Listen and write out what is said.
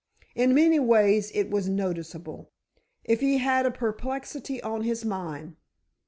In many ways it was noticeable, if he had a perplexity on his mind.